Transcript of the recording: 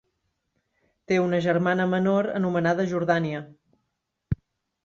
Té una germana menor anomenada Jordània.